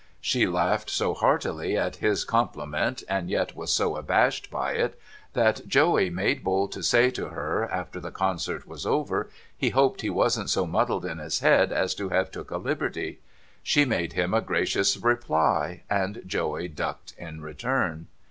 She laughed so heartily at his compli ment, and yet was so abashed by it, that Joey made bold to say to her, after the concert was over, he hoped he wasn't so muddled in his head as to have took a liberty ? She made him a gracious reply, and Joey ducked in return.